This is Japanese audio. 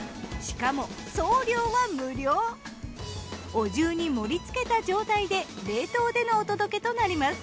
お重に盛りつけた状態で冷凍でのお届けとなります。